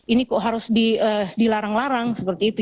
ini kok harus dilarang larang seperti itu